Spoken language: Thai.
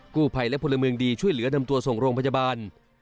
กู้ภัยและพลเมืองดีช่วยเหลือนำตัวส่งโรงพยาบาล